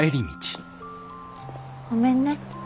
ごめんね。